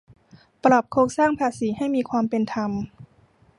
ปรับโครงสร้างภาษีให้มีความเป็นธรรม